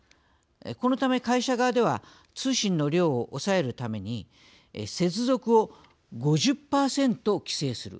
このため会社側では通信の量を抑えるために接続を５０％規制する。